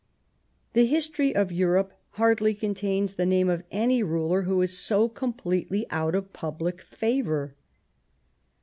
The history of Europe hardly contains the name of any ruler who is so completely out of public favor.